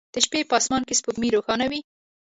د شپې په اسمان کې سپوږمۍ روښانه وي